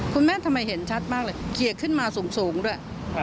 ทำไมเห็นชัดมากเลยเกียรติขึ้นมาสูงด้วย